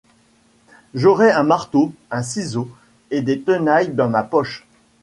J’aurai un marteau, un ciseau et des tenailles dans ma poche.